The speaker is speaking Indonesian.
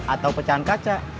atau pecahan kaca